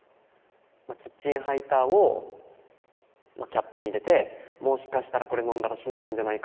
キッチンハイターをキャップに入れてもしかしたらこれ飲んだら死ねるんじゃないか。